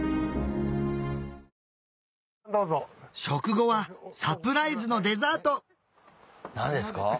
食後はサプライズのデザート何ですか？